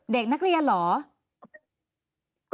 เด็กนักเรียนเหรอ